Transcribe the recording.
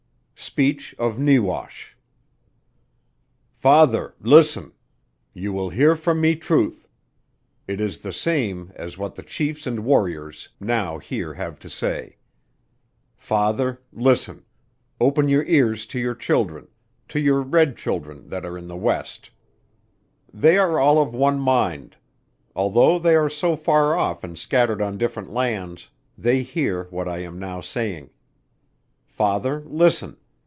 SPEECH OF NEWASH. "Father Listen. You will hear from me truth. It is the same as what the Chiefs and Warriors now here have to say. "Father Listen. Open your ears to your children, to your red children that are in the west. They are all of one mind: although they are so far off and scattered on different lands, they hear what I am now saying. "Father Listen.